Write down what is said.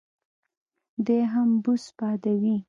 دی هم بوس بادوي.